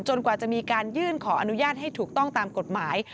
กว่าจะมีการยื่นขออนุญาตให้ถูกต้องตามกฎหมาย